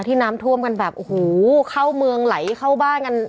ที่น้ำท่วมกันแบบ